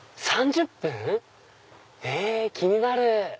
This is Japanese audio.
３０分⁉気になる！